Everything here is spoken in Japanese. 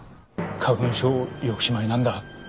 花粉症抑止米なんだ